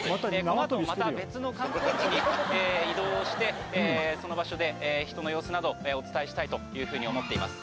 この後もまた別の観光地に移動してその場所で人の様子などお伝えしたいと思っています。